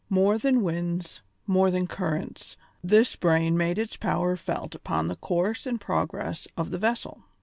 More than winds, more than currents, this brain made its power felt upon the course and progress of the vessel.